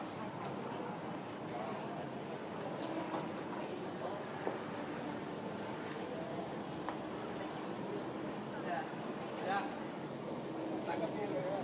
ขอบคุณครับ